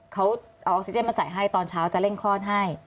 เขาออคซิเจนมาใส่ให้ตอนเช้าตอนนี้จะเร่งคลอดให้